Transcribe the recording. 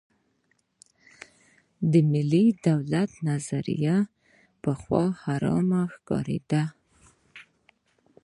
د ملي دولت نظریه پخوا حرامه ښکارېده.